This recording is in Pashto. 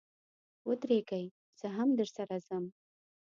و درېږئ، زه هم درسره ځم.